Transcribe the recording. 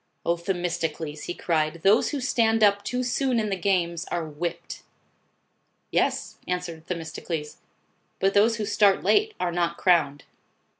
" O Themistocles," he cried, " those who stand up too soon in the games, are whipped." "Yes," answered Themistocles, "but those who start late, are not crowned."